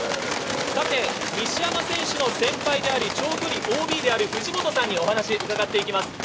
さて、西山選手の先輩であり長距離ＯＢである、藤本さんにお話伺っていきます。